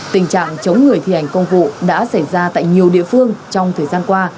tình trạng chống người thi hành công vụ đã xảy ra tại nhiều địa phương trong thời gian qua